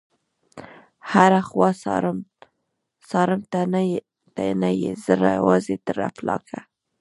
هره خوا څارم ته نه يې، زه یوازي تر افلاکه